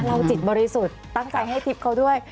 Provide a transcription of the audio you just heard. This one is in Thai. จิตบริสุทธิ์ตั้งใจให้ทิพย์เขาด้วย